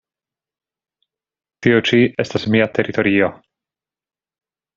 Tio ĉi estas mia teritorio".